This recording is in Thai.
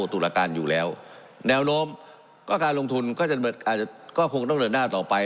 ตุรการอยู่แล้วแนวโน้มก็การลงทุนก็จะอาจจะก็คงต้องเดินหน้าต่อไป